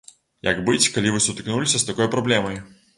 Як быць, калі вы сутыкнуліся з такой праблемай?